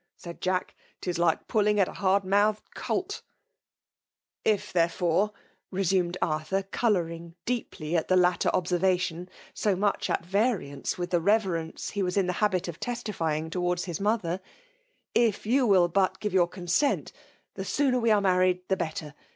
cried Jack; "'tis like pulling at a hard mouthed colt'* " If, therefore," resumed Arthur, colouring deeply at the latter observation, so much at variance with the reverence he was in the »: .3' VkMaLk lX>MlNATiON. 57 kill of testifying towards Eia mother— "if jeHrwill\)\it give your consent, the sooner we are married the iKstter.